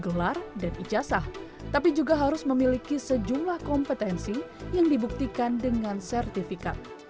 gelar dan ijazah tapi juga harus memiliki sejumlah kompetensi yang dibuktikan dengan sertifikat